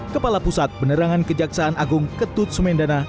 kepala pusat penerangan kejaksaan agung ketut sumendana